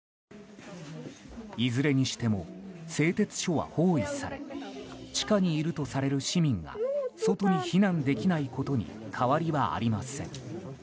いずれにしても製鉄所は包囲され地下にいるとされる市民が外に避難できないことに変わりはありません。